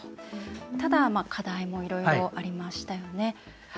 ただ、課題もいろいろありましたよね。